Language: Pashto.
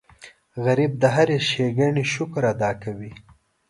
غریب د هرې ښېګڼې شکر ادا کوي